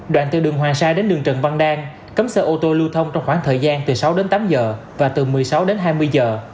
đoạn từ đường hoàng sa đến đường trần văn đang cấm xe ô tô lưu thông trong khoảng thời gian từ sáu đến tám giờ và từ một mươi sáu đến hai mươi giờ